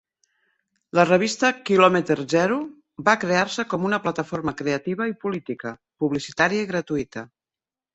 La revista "Kilometer Zero" va crear-se com una plataforma creativa i política, publicitària i gratuïta.